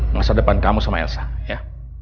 masa depan kamu sama elsa ya